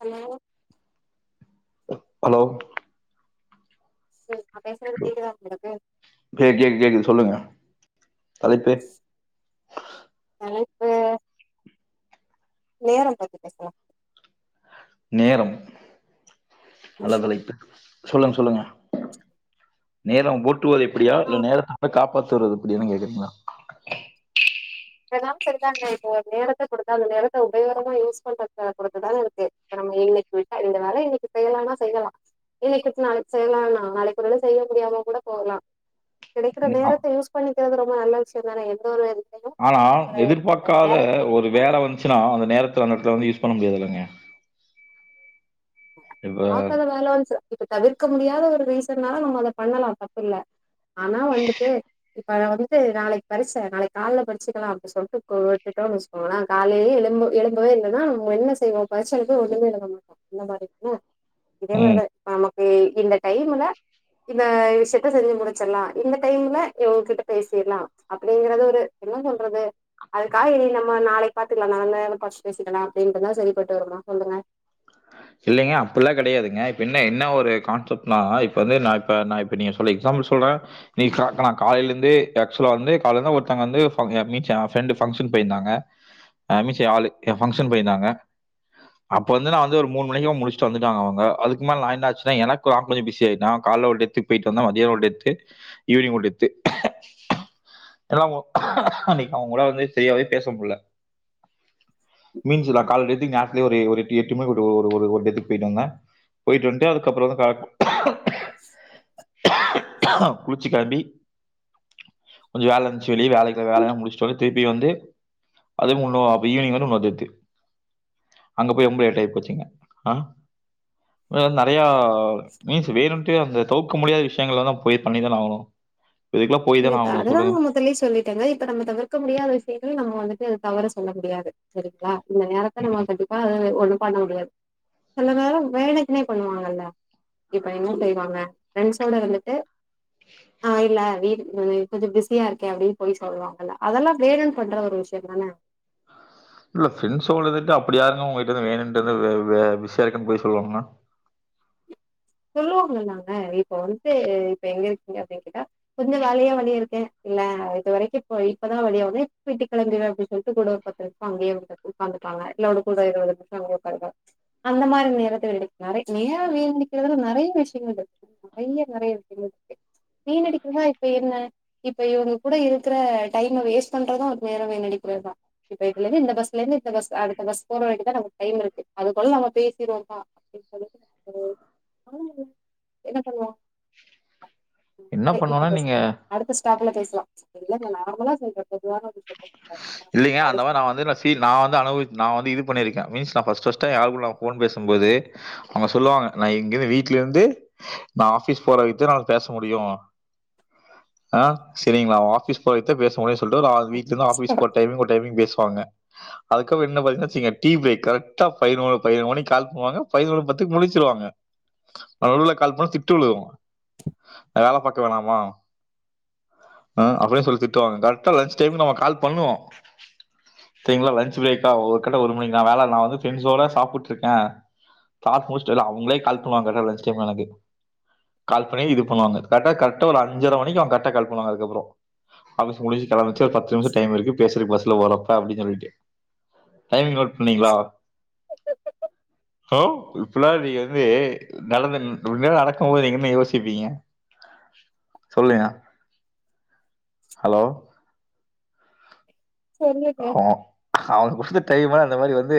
Hello hello sir நா பேசறது கேக்குதா உங்களுக்கு பே கேக்குது கேக்குது சொல்லுங்க தலைப்பே தலைப் நேரம் பத்தி பேஸ்லா நேரம் ம் நல்ல தலைப்பு சொல்லுங்க சொல்லுங்க நேரம் ஓட்டுவது எப்படியா இல்ல நேர ல்ல காப்பாத்து வருவது எப்டி என்ன கேக்குறிங்ளா இப்பதாங் சரிதாங்க இப்போ ஒரு நேரத்த கொடுத்தா அந்த நேரத்த உபயோகரமா யூஸ் பண்றது பொருத்துதான இருக்கு இப்ப நம்ம இன்னைக் விட்டா இந்த வேல இன்னைக்கு செய்யலானா செய்யலா இன்னைக்குவிட் நாளைக்கு செய்யலானா நாளைக்கு ஒருவேல செய்ய முடியாம கூட போகலா கிடைக்கிற ஆ- நேரத்த யூஸ் பண்ணிக்கிறது ரொம்ப நல்ல விஷயந்தானே எந்த ஒரு இதுலையு ஆனா எதிர்பாக்காத ஒரு வேல வந்ச்சுன்னா அந்த நேரத்துல அந்த எடத்துல வந்து யூஸ் பண்ண முடியாதுல்லங்க இப்ப பாக்கர வேல வந்ச்சுன் இப்ப தவிர்க்க முடியாத ஒரு ரீசனால நம்ம அதை பண்ணலா தப்புல்ல ஆனா வந்துட்டு இப்ப வந்துட்டு நாளைக் பரிச நாளைக்கு கால்ல படிச்சுக்கலா அப்டி சொல்ட்டு விட்டுட்டோ வச் ஆனா காலையே எலும்ப எலும்பவே இல்லன்னா நம்ம என்ன செய்வோ பரிச்சைல போய் ஒண்ணமே எழுதமாட்டோ இந்தமாரி இதே ம் மாரிதா இப்ப நமக்கு இந்த டைம்ல இந்த விஷயத்த செஞ்சு முடிச்சிட்லா இந்த டைம்ல இவங்ககிட்ட பேசிட்லா அப்டிங்கறது ஒரு என்ன சொல்றது அதுக்காக இனி நம்ம நாளை பாத்துக்லா நானு பச்சு பேசிக்லா அப்டின்றுந்தா சரிப்பட்டு வருமா சொல்லுங்க இல்லைங்க அப்புல்லா கெடையாதுங்க இப்ப என்ன என்ன ஒரு கான்செப்ட்னா இப்ப வந்து நா இப்ப நா இப்ப நீங்க சொல்ல எக்ஸாம்பிள் சொல்ற நீ கா நா காலையில இருந்தே ஆக்சுவலா வந்து காலருந்து ஒருத்தங்க வந்து [unintelligible] போயிருந்தாங்க அ மிஷ ஆளு எ ஃபங்கஷன் பேயிருந்தாங்க அப்ப வந்து நா வந்து ஒரு மூண் மணிக்கு முடிச்ட்டு வந்துடாங்க அவுங்க அதுக்கு மேல் நா என்னாச்சுன்னா எனக்கு நா கொஞ்சோ பிசி ஆய்ட பேயிட்டு வந்தா மதியானம் ஒரு டெத்து ஈவ்னிங் ஒரு டெத்து எல்லா அவுங்கோ அன்னைக்கு அவுங் கூட வந்து செரியாவே பேச முட்ல மீன்ஞ்சூலா கால டெத்துக்கு நேரத்லே ஒரு ஒரு எட்டு எட்டு மணி ஓ ஒரு ஒரு டெத்துக்கு பேய்ட்டு வந்த பேய்ட்டு வந்ட்டு அதுக்கப்பறம் வந்து காக் குளிச்சி கெளம்பி கொஞ்சொ வேல இருந்ச்சி வெளி வேலைக்குல வேலைல்லா முடிச்சோ வந்து திருப்பி வந்து அதுவுன்னூ அ ஈவினிங் வந்து இன்னொரு டெத்து அங்க போய் ரொம்ப லேட் ஆகிப்போச்சி இங்க ஆ நறையா மீன்ஸ் வேணுன்டு அந்த தவுக்க முடியாத விஷயங்கள்லதா போய் பண்ணி தான ஆவணும் இதுக்குல்லா போய் தான ஆவணும் சொல்லுங்க தல்லயே சொல்லிட் ங்க இப்ப நம்ம தவிர்க்க முடியாத விஷயங்கள நம்ம வந்துட்டு தவறு சொல்ல முடியாது சரிங்ளா இந்த நேரத்த நம்ம கண்டிப்பா ஒண்ணும் பண்ண முடியாது சில வேல வேலைக்குனே பண்ணுவாங்கல்ல இப்ப என்ன செய்வாங்க ஃப்ரெண்ஸோட இருந்துட்டு ஆ இல்ல வீடு ம் கொஞ்ச பிஸியா இருக்கே அப்டி போய் சொல்லுவாங்கல்ல அதெல்லா வேனுன் பண்ற ஒரு விஷயோ தானே இல்ல ஃப்ரெண்ட்ஸோட இருந்துட்டு அப்படி யாருங்க உங்ககிட்ட வந்து வேணுன்ட்டு வந்து வெ விசேஷம்னு போய் சொல்லுவாங்களா சொல்லுவாங்களங்க இப்ப வந்துட்டு இப்ப எங்க இருக்கீங்க அப்டின் கேட்டா கொஞ்ச வேலையா வெளியே இருக்கே இல்ல இது வரைக்கு இப்ப இப்பதா வேலையா வந்தே வீட்டு கெளம்பிடுவே அப்டினு சொல்ட்டு கூட ஒரு பத்தர அங்கே [unintelligible] உக்காந்துப்பாங்க இல்ல ஒரு கூட இருவது பசங்க அங்க உக்காருவா அந்த மாரி நேரத்துல [unintelligible] நெறைய நியே வேண்டி இதுல நறைய விஷயங்கள் இருக்கு நறைய நறைய விஷயங்கள் இருக்கு வீன் அடிக்கிறதுனா இப்ப என்ன இப்ப இவங்க கூட இருக்குற டைம வேஸ்ட் பண்றதூ ஒரு நேர வீனடிப்புகள்தா இப்ப இதுல இருந்து இந்த பஸ்ல இருந்து இந்த பஸ் அடுத்த பஸ் போற வரைக்குதா நமக்கு டைம் இருக்கு அதுக்குள்ள நம்ம பேசிருவோப்பா இப்படி ஒரு [inaudible] என்ன பண்லா என்ன பண்லானா நீங்க அடுத்த ஸ்டாப்ல பேச்லா இல்லங்க நார்மலா சொல்ற பொதுவான ஒரு விஷயத்த சொல்ற இல்லைங்க அந்த காலேஜ் மாரி நா வந்து இந்தச் ஃபீல் நா வந்து அனுபவித்து நா வந்து இது பண்ணிருக்கே மீன்ஸ் நா ஃபஸ்ட் ஃபீஸ்டா ஏ ஆள்க்கூட நா ஃபோன் பேசும்போது அவங்க சொல்லுவாங்க நா இங்கெருந்து வீட்ல இருந்து நா ஆஃபீஸ் போற வரைக்கு நா பேச முடியு ஆ சேரிங்களா ஆஃபீஸ் போய்து பேச முடியு சொல்ட்டு ஒரு வீட்ல இருந்து ஆஃபிஸ் போற டைமிங் ஒரு டைமிங் பேசுவாங்க அதுக்கப்புற என்ன பாத்திங்க வெச்சுக்கங்க டீ ப்ரேக் கரெக்டா ஃபை மிணி [unintelligible] மணி கால் பண்ணுவாங்க ஃபை லந்து பத் து முடிச்சுடுவாங்க நடுவுல கால் பண்ணா திட்டு விழுகு வேல பாக்க வேணாமா அ அப்டி சொல்லி திட்டுவாங்க கரெக்டா லஞ்ச் டைம் நம்ம கால் பண்ணுவோ சேரிங்களா லஞ்ச் பிரேக்கா ஒரு கட்ட ஒரு மணிக்கு நா வேல நா வந்து ஃப்ரெண்டஸோட சாப்புட்டு இருக்கே ஆல்மோஸ்ட் எல்லா அவங்களே கால் பண்ணுவாங்க கட்டா லஞ்ச் டைம் எனக்கு கால் பண்ணி இது பண்ணுவாங்க கரெக்டா கரெக்டா ஒரு அஞ்சர மணிக்கு அவங்க கரெக்டா கால் பண்ணுவாங்க அதுக்கப்புறோ ஆஃபிஸ் முடிச்சு கெளம்பச்ச ஒரு பத்து நிமிஷ டைம் இருக்கு பேசுறக்கு பஸ்ல போறப்ப அப்டி சொல்லிட்டு டைமிங் நோட் பண்ணீங்களா ஹலோ இப்பல்லா நீங்க வந்து நடந்து இந்த மாரி நடக்கும் போது நீங்க என்ன யோசிப்பீங்க சொல்லுங்க ஹலோ சொல்லுங்க ஹோ அவரு கொடுத்து இருந்த டைமா அந்த மாரி வந்து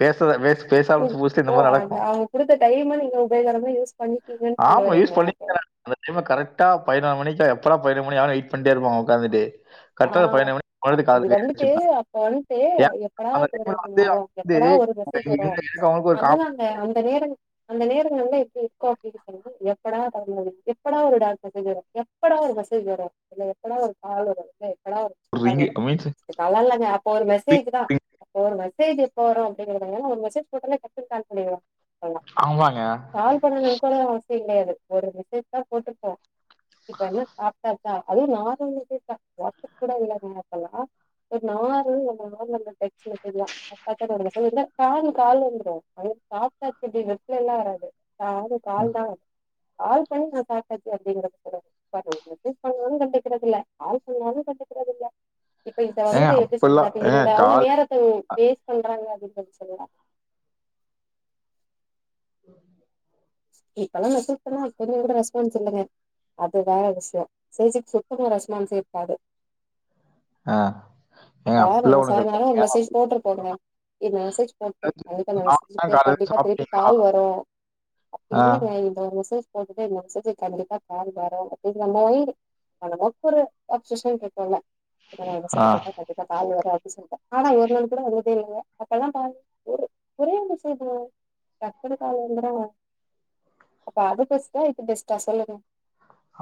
பேசற்த பேச் ம் ஓ அந்த அவங்க குடுத்த டைம நீங்க உபயோகரமா யூஸ் பண்ணிட்டீங்கன் சொல்ல ஆமா. யூஸ் வரீங்களா இப்ப பண்ணியிருக்கேன். அந்த டைம்ல கரெக்டா பதினோரு மணிக்கு எப்படா பதினொரு மணி ஆகு வெயிட் பண்ணிட்டே இருப்பே அங்க உக்காந்துட்டு ஆ அப்ப இது வந்துட்டு அப்ப வந்ட்டு ஏன் எப்படா அந்த டைம்ல பதினொரு மணி வந்து ஆவு அவன் வந்து எப்படா ஒரு மெசேஜ் வரு எங்க- எனக்கு அவங்களுக்கு ஒரு அதுவு காம்பி அந்த அந்த நேரம் அந்த நேரங்கள்லா எப்டி இருக்கு அப்டின்னு சொல் எப்படா பதினொரு எப்படா ஒரு டாக் மெசேஜ் வரு எப்படா ஒரு மெசேஜ் வரு இல்ல எப்படா ஒரு கால் வரு இல்ல எப்படா வரு லிங்க அமைச்சு பரவால்லைங்க அப்ப ஒரு மெசேஜ் தா அப்போ ஒரு மெசேஜ் எப்போ வரு அப்டி கறாங்கன்ன ஒரு மெசேஜ் போட்டனா டக்குனு கால் பண்ணிடுவா டங்கா பண்ணிலாம் ஆமாங்க கால் பண்ணணு கூட அவசிய கெடையாது ஒரு மெசேஜ் தா போட்டுருப்போ இப்ப என்ன சாப்டா லா அது நார்மல் மெசேஜ் தா வாட்ஸ்அப் கூட இல்லங்க அப்பல்லா ஒரு நாளு ஒன்ற நாள் அந்த டெக்ஸ்ட் மெசேஜ் தா [unintelligible] மெசேஜ் விட டானு கால் வந்துரு [unintelligible] சாப்டாச்சுடி நெட்லல்லா வராது டானு ம். கால் தா கால் பண்ணி நா சாப்ட்டாச்சு அப்டிங்கற தான [inaudible] செரி நானு கண்டுக்கறதில்ல இப்ப இப்ப ஏங்க வந்தது எப்டி சொல்றது அப்பல்லாம் அப்ப ஏங்க இந்த அவுங்க கால் நேர த்த வேஸ்ட் பண்றாங்க அப்டின் [unintelligible] சொல்லா ஆமா இப்பெல்லா மெசேஜ் பண்ண கொஞ்ச கூட ரெஸ்பான்ஸ் இல்லங்க அது வேற விஷ்யோ [unintelligible] சுத்தமா ரெஸ்பான்ஸே இருக்காது அ இப்ப ஆளு சாயங்காலோ மெசேஜ் போட்ருப்பாருங்க இந்த மெசேஜ் போட்டு கண்டிப்பா நம்ம நான் மெசேஜுக்கு காலையில கண்டிப்பா திருப்பி சாப்பிட்டீங்களா? கால் வரு ஆ, இல்லங்க இந்த ஒரு மெசேஜ் போட்டுட்டு இந்த மெசேஜ்க் கண்டிப்பா கால் வரு அப்டின்னு [unintelligible] [inaudible] கேட்டோல [inaudible] ஆ உங்ககிட்ட கால் வராது சொல்டே ஆனா ஒரு நாள் கூட வந்ததே இல்ல அப்பதா [unintelligible] ஒரே மெசேஜ்ல டக்குனு கால் வந்துரு அப்ப அது பெஸ்ட்டா இது பெஸ்ட்டா சொல்லுங்க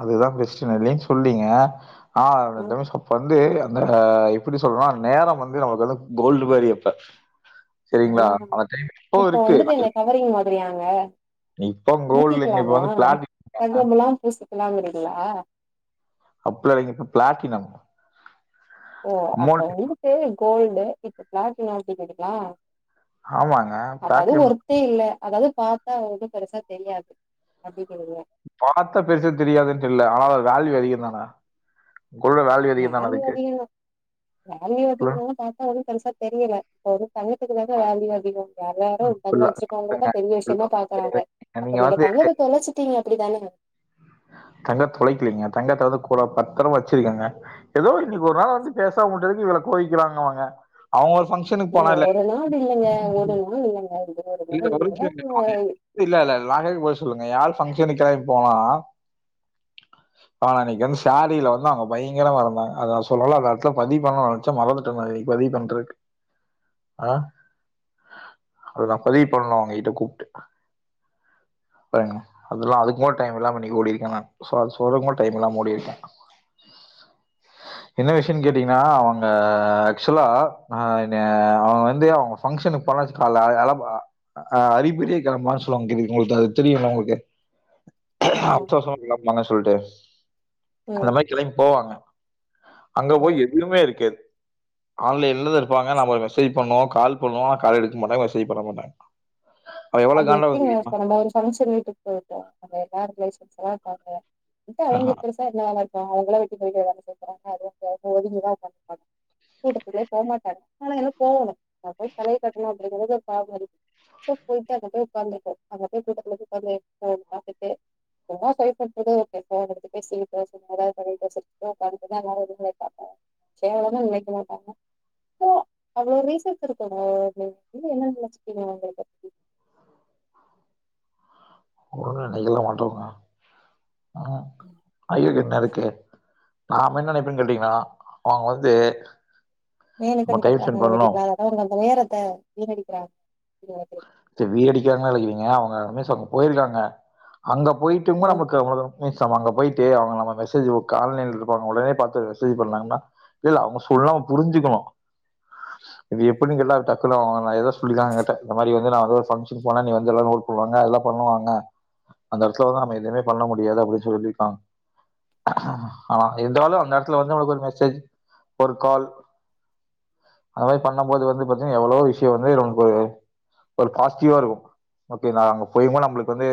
அதுதா பெஸ்ட்டு நா இல்லைனு சொல்லீங்க ஆ ம் தெவசம் வந்து அந்த எப்டி சொல்லா நேரம் வந்து நமக்கு வந்து கோல்டு மாரி அப்ப ஆ செரிங்ளா ஆன இப்பவவ் இப்போ இருக்கு வந்துட்டு என்ன கவரிங் மாதிரியாங்க இப்போ கோல்டு இல்லைங்க. இப்ப முக்கிக்கலாமா வந்து தங்க பிளாட்டினம் முலாம் பூசிக்கலாங்றீங்ளா அப்டிலா இல்லைங்க இப்ப பிளாட்டினம் ஓ அப்ப அமௌண்ட் வந்துட்டு கோல்டு இப்ப பிளாட்டினம் அப்டிகிறிங்ளா ஆமாங்க. அப்ப அது ஒரு பிளாட்டினம் வொர்த்தே இல்ல அதாவ்து பாத்தா அவ்ளக்கு பெருசா தெரியாது அப்டிகிறீங்க பாத்தா பெருசா தெரியாதுன்ட்டு இல்ல ஆனா அதோட வேல்யூ அதிக தான கோல்டோட வேல்யூ அதிகந்தான அதுக்கு வேல்யூ சொல்லுங்க. அதிகனு பாத்தா ஒன்னு பெருசா தெரியல இப்ப வந்து தங்கத்துக்கு தாங்க வேல்யூ அதிகோ எல்லாரு தங்கோ அப்படிலாம் வெச்சிருக்கவங்களதா இல்லங்க. பெரிய இல்ல. விஷயமா பாக்குறாங்க அப்ப நீங்க தங்கத்த தொலைச்சிட்டீங்க அப்டிதான தங்க தொலைக்கிலீங்க தங்கத்த கூட பத்திரோ வெச்சிருக்கங்க எதோ இன்னைக்கு ஒரு நாள் வந்து பேசமாவுட்டதுக்கு இவள கோவிக்கறாங்க அவுங்க அவுங்க ஏங்க ஒரு நாள் இல்லைங்க ஒரு நாள் இல்லைங்க இல்ல இங்கப்பாருங்க ஒரு நிமிஷம் இருங்க. [unintelligible] இல்ல இல்ல நா கேக்றதுக்கு பதில் சொல்லுங்க ஏ ஆள் பஃங்க்ஷனுக்காக போனா ஆன அன்னைக்கு வந்து சேரில வந்து அவ்ங்க பயங்கரமா இருந்தாங்க அத நா சொல்லல அந்த எடத்துல பதிவு பண்ண நெனச் சே மறந்துட்ட நா இன்னைக்கு பதிவு பண்றே ஆ அத நா பதிவு பண்ணு அவ்ங்ககிட்ட கூப்ட்டு பாருங்க அதெல்லா அதுக்கூட டைம் இல்லாம இன்னைக்கு ஓடிருக்கே நா சோ அத சொல்றக்கூட டைம்ல்லாம ஓடிருக்கே என்ன விஷயன் கேட்டீங்கன்னா அவங்க அ ஆக்சுவலா அ என்னைய அவ்ங்க வந்து அவ்ங்க பஃங்க்ஷனுக்கு போனாச் கால்ல இல ப அ அரி பிரி காம சொல்லுவாங் தெரியிங்களா இத்தா அது தெரியுங்களா உங்களுக்கு ஆமா அவசர அவசரமா கிளம்புவாங்க சொல்ட்டு அந்த ம் மாரி கிளம்பி போவாங்க அங்க ம் போய் எதுவுமே இருக்காது ஆன்லைன்லதா இருப்பாங்க நம்ம மெசேஜ் பண்ணுவோ கால் பண்ணுவோ கால் எடுக்க மாட்டாங்க மெசேஜ் பண்ண மாட்டாங்க அது எவ்ளோ காண்டாகு தெரியுமா ஃபங்ஷன் வீட்டுக்கு போயிருக்காங்க அங்க எல்லா ரிலேஷன்லா இருப்பாங்க விட்டா அவங்களே ஆஹா பேசி [unintelligible] என்ன நெனைப்பாங்க அவங்களா எப்டி போய்ட்டு வராங்க [unintelligible] ஒதிங்கிதா நிப்பாங்க கூட்டத்துக்குள்ளயே போமாட்டாங்க ஆனா என்னு போகணு அங்க போய். ன தலையை கட்டணு அப்டிங்கிறதுக்காக போயிட்டு அங்க போய் உக்காந்துருப்போ அங்க போய் கூக்காந்து ஃபோன் பாத்துட்டு [unintelligible] சேரனு நெனைக்க மாட்டாங்க ட்டா அவங்களுக்கு ரீசன்ஸ் இருக்கும்கா நீங்க வந்து என்ன நெனைச்சிப்பீங்கனு அவங்கள பத்தி ஒடு நைக்க மாட்டோங்க ஆ ஐயோக்கு என்ன இருக்கு நாம என்ன நெனைப்போன்னு கேட்டீங்கன்னா அவங்க வந்து நம்ம டைம் ஸ்பெண்ட் பண்ணணு [unintelligible] அந்த நேரத்த வீணடிக்கிறாங்க நெனைக்கிறே வீணடிக்கிறாங்க இல்லங்க அவங்க அங்க போயிருக்காங்க அங்க போயிட்டுங்க ம் நமக்கு அவ மீன்ஸ் நம்ம அங்க போயிட்டு அவ நம்ம மெசேஜ் ஆன்லைன்ல இருப்பாங்க ஒடனே பாத்து ஒரு மெசேஜ் பண்ணாங்கன்னா இல்ல அவங்க சொல்லாம புரிஞ்சுக்கணு இது எப்படின்னுகெல்லா டக்குலங்க நா எதாக சொல்லிதா கேட்ட இந்த மாரி வந்து நா எதாவது ஒரு பங்கஷன் போனா என்னைய வந்து எல்லா நோட் பண்ணுவாங்க எல்லா பண்ணுவாங்க அந்த எடத்துல வந்து நம்ம எதுமே பண்ண முடியாது அப்பின்னு சொல்லிருக்காங்க ஆ இருந்தாலு அந்த எடத்துல வந்து நம்மளுக்கு ஒரு மெசேஜ் ஒரு கால் அந்த மாரி பண்ணம் போது வந்து பாத்தீங்கன்ன எவ்ளோ விஷியோ வந்து ஒரு ஒரு பாசிட்டிவா இருக்கு ஓகே அங்க போயும் கூட வந்து நம்மளுக்கு வந்து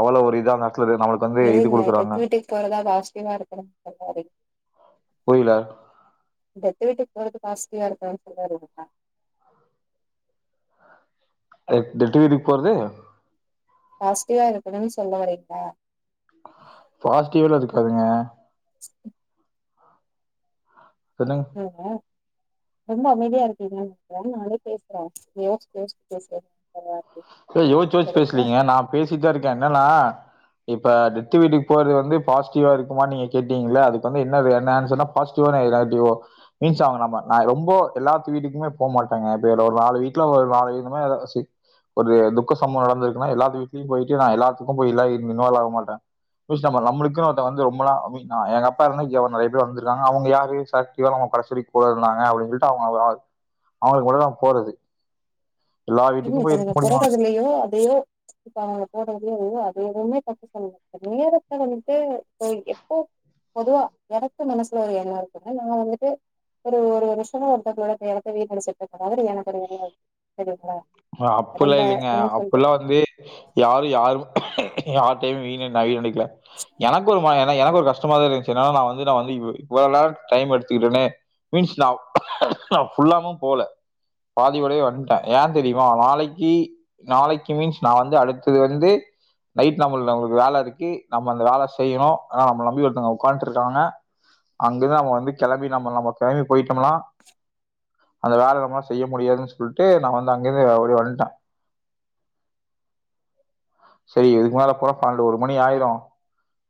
அவ்ளோ ஒரு இதா அந்த எடத்துல எதுங்க டெத்து வீட்டுக்கு போறதா பாசிட்டிவா இருக்கணுனு சொல்ல வரிங்க புரில டெத்து வீட்டுக்கு போறது பாசிட்டிவா இருக்கான்னு சொல்லா வரிங்ளா ஆ டெத்து வீட்டுக்கு போறது பாசிட்டிவா இருக்கணுன்னு சொல்ல வரீங்ளா பாசிட்டிவ் எல்லா இருக்காதுங்க இப்பென்னங் [unintelligible] ரொம்ப அமைதியா இருக்கீங்க நானே பேசுறே [unintelligible] நா யோச்சு யோச்சு சரிங்களா பேசலீங்க நா பேசிட்டுதா இருக்கே என்னன்னா இப்ப டெத்து வீட்டுக்கு போறது வந்து பாசிட்டிவா இருக்குமானு நீங்க கேட்டீங்கள அதுக்கு வந்து என்ன என்ன ஆன்சர்னா பாஷ்டிவோ நெகட்டிவோ மீன்ஸ் ஆங்க நம் நா ரொம்போ எல்லாத்து வீட்டுக்குமே போக மாட்டேங்க இப்ப ஒரு நாலு வீட்ல ஒரு நாலு வ இந்த மாரி ஏ ஒரு துக்க சம்பவோ நடந்திருக்குன்னா எல்லாத்து வீட்லயு போயிட்டு நா எல்லாத்துக்கு போய்ல்லா இன்வால் ஆக மாட்டே நம்மளுக்குன்ன வந்து ரொம்பா எங்க அப்பா இருந்தா நெறைய பேர் வந்திருக்காங்க அவங்க யாரு [unintelligible] கூட இருந்தாங்க அப்டின்னு சொல்லிட்டு அவங்க அவங்களுக்கு மட்டுதா போறது எல்லா வீட்டுக்கு போய் முடியுமா? போறதுல்லயோ அதையோ இப்ப அங்க போறதையே அதையே அதைய எதுவுமே தப்பு சொல்ல முடியாது நேரத்த வந்துட்டு எப்போ பொதுவா எனக்கு மனசுல ஒரு எல்லா இருக்குன்ன நா வந்துட்டு ஒரு ஒரு வருஷோ ஒருத்தத்தோட தேலத்த வீட்டு அடிச்சுட்டு இருக்க அவரு எனக்கு தெரியாது தெரிங்ளா அப்பில்லா இல்லங்க அப்பில்லா வந்து யாரு யாரு யார் டைமூ வீணு நா வீணடிக்கல எனக்கு ஒரு மன அனா எனக்கு ஒரு கஷ்டமா தா இருந்துச்சு [unintelligible] நா வந்து நா வந்து இவு இவ்ள நேரோ டைம் எடுத்துக்கிட்டனே மீன்ஸ் நா ஃபுல்லாமு போல பாதியோடயே வந்ட்ட ஏன் தெரியுமா நாளைக்கி நாளைக்கி மீன்ஸ் நா வந்து அடுத்தது வந்து நைட் நம்பளு நம்பளுக்கு வேல இருக்கு நம்ம அந்த வேல செய்யிணு அனா நம்பள நம்பி ஒருத்தங்க உக்கான்ட்டு இருக்காங்க அங்குருந்து நம்ப வந்து கெளம்பி நம்ம நம்ம கெளம்பி போயிட்டம்மன்னா அந்த வேல நம்மனா செய்ய முடியாதுன்னு சொல்ட்டு நா வந்து அங்கிருந்து அப்டி வந்ட்ட செரி இதுக்கு மேல போனா பனெண்டு ஒரு மணி ஆயிரு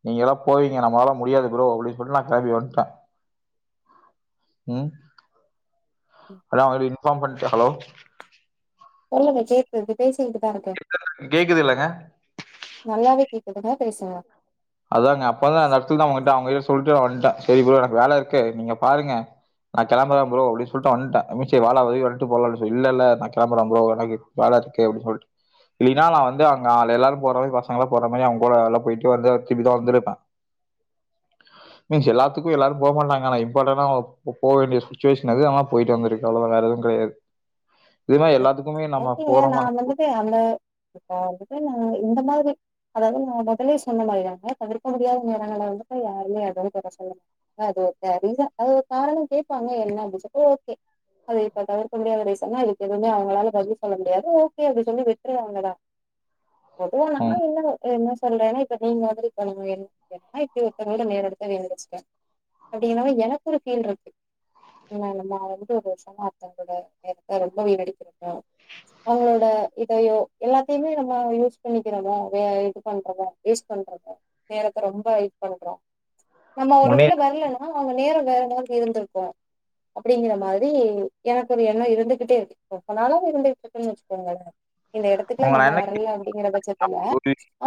நீங்கெல்லா போவீங்க நம்பளாலா முடியாது ப்ரோ அப்டின்னு சொல்ட்டு நா கெளம்பி வந்ட்ட ம் அனா அவுங்களுக்கு இன்பார்ம் பண்ட்ட ஹலோ சொல்லுங்க கேக்குது பேசிக்கிட்டுதா இருக்க கேக்குது இல்லைங்க நல்லாவே கேக்குதுங்க பேசுங்க அதாங்க அப்ப தா எல்லார்த்துது அவங்கிட்ட அவங்ககிட்ட சொல்ட்டே நா வந்ட்ட. செரி பு்ரோ எனக்கு வேல இருக்கு நீங்க பாருங்க நா கெளம்பர ப்ரோ அப்டி சொல்ட்டு வந்ட்ட [unintelligible] வாடா வெளி வன்ட்டு போலான்னு சொ இல்லல்ல நா கெளம்பர ப்ரோ எனக்கு வேல இருக்கு அப்டி சொல்ட்டு இல்லீனா நா வந்து அங்க ஆள் எல்லாரு போற [unintelligible] பசங்கல்லா போற மாரி அவங் கூட எல்லா போயிட்டு வந்து இப்டி தொறந்துருப்பா மீன்ஸ் எல்லாத்துக்கு எல்லாரு போ மாட்டாங்க அனா இம்பார்ட்டனா போ வேண்டிய சுச்சுவேஷன் அது அனா போயிட்டு வந்துருக்கு எவ்ளோதா வேற எதுவு கெடையாது இது மாரி எல்லாத்துக்கு ஓகேங்க நா வந்துட்டே அந்த இப்ப வந்துட்டு நா இந்த மாரி அதாவது நா மொதலே சொன்ன மாரிதாங்க தவிர்க்க முடியாத [inaudible] வந்தப்ப யாருமே [inaudible] அது ஒர் கா ரீசன் அது ஒரு காரணோ கேப்பாங்க என்ன அப்டி சொ ஓ ஓகே அது இப்ப தவிர்க்க முடியாத ரீசன்னா இதுக்கு எதுவுமே அவங்களால பதில் சொல்ல முடியாது ஓகே அப்படி சொல்லி விட்ருவாங்க டா பொதுவா இருக்கும். நம்ம இன்னமு இது என்ன சொல்றேன்னா இப்ப நீங்க மாதிரி [inaudible] இப்டி ஒருத்தங்களோட நேரடத்த வீணடிச்சிப்பா அப்டி எனா எனக்கு ஒரு ஃபீல் இருக்கு [unintelligible] நம்மா வந்து ஒரு வருஷமா ஒருத்தங்களோட நேரத்த ரொம்ப வீணடிக்கறமோ அவங்களோட இதையோ எல்லாத்தையுமே நம்ம யூஸ் பண்ணிக்கிறமோ வே இது பண்றமோ வேஸ்ட் பண்றதா நேரத்த ரொம்ப இது பண்றோ நம்ம உன்னி- ஒருவேள வரல அ அவங்க நேரோ வேற மாதிரி இருந்துருக்கு அப்படிங்கற மாரி எனக்கு ஒரு எண்ணோ இருந்துகிட்டே இருக்கு இப்போ அதனால இப்ப இருந்துகிட்டு இருக்குன்னு வெச்சுக்கோங்களே இந்த எடத்துக்குலா உங்களை நம்ம என்ன கேட்க- வரல அப்படிங்கற பட்சத்துல ஒரு